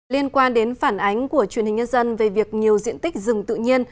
liên quan đến phản ánh của truyền hình nhân dân về việc nhiều diện tích rừng tự nhiên